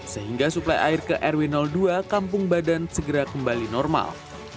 sehingga suplai air ke rw dua kampung badan segera kembali normal